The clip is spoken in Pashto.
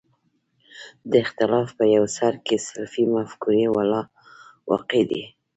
د اختلاف په یو سر کې سلفي مفکورې والا واقع دي.